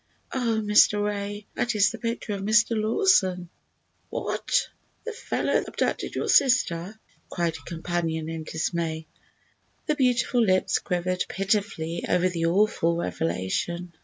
"Oh, Mr. Ray, that is the picture of Mr. Lawson!" "What! the fellow that abducted your sister?" cried her companion in dismay. The beautiful lips quivered pitifully over the awful revelation.